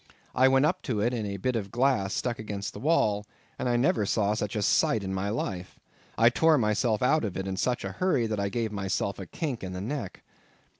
I went up in it to a bit of glass stuck against the wall, and I never saw such a sight in my life. I tore myself out of it in such a hurry that I gave myself a kink in the neck.